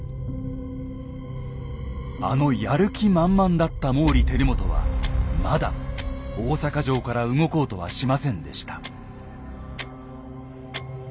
あのやる気満々だった毛利輝元はまだ大坂城から動こうとはしませんでした。